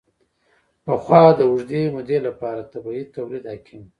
پخوا د اوږدې مودې لپاره طبیعي تولید حاکم و.